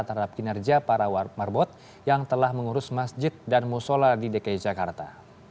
terhadap kinerja para marbot yang telah mengurus masjid dan musola di dki jakarta